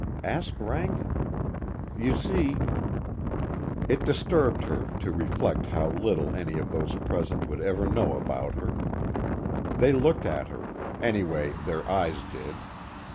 Ask Rankin. You see_ It disturbed her, to reflect how little any of those present would ever know about her. They looked at her; anyway their eyes did.